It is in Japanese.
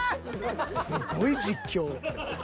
すごい実況。